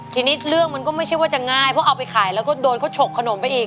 ทีนี้เรื่องมันก็ไม่ใช่ว่าจะง่ายเพราะเอาไปขายแล้วก็โดนเขาฉกขนมไปอีก